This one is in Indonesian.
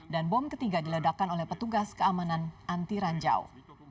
dan bom ketiga diledakkan oleh petugas keamanan anti ranjau